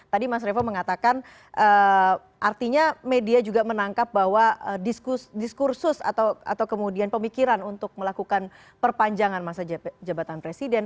tadi mas revo mengatakan artinya media juga menangkap bahwa diskursus atau kemudian pemikiran untuk melakukan perpanjangan masa jabatan presiden